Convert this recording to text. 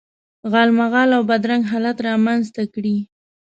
غالمغال او بد رنګ حالت رامنځته کړي.